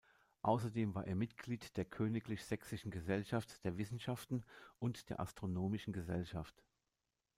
Außerdem war er Mitglied der Königlich Sächsischen Gesellschaft der Wissenschaften und der Astronomischen Gesellschaft.